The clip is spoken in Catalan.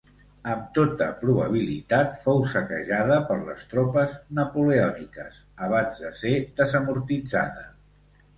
Amb tota probabilitat fou saquejada per les tropes napoleòniques, abans de ser desamortitzada.